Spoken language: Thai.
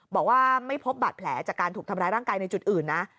บอกว่าไม่พบบาดแผลจากการถูกทำร้ายร่างกายในจุดอื่นนะ